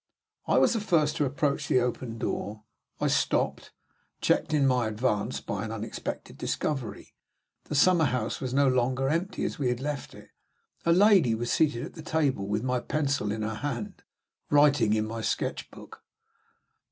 I was the first to approach the open door. I stopped, checked in my advance by an unexpected discovery. The summer house was no longer empty as we had left it. A lady was seated at the table with my pencil in her hand, writing in my sketch book!